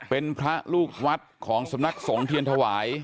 เป็นพระลูกวัดของสำนักสงเทียนถวาย